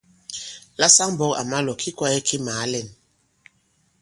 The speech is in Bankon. La saŋ-mbɔ̄k à ma-lɔ̀, ki kwāye ki màa lɛ᷇n.